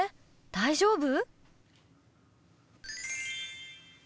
大丈夫？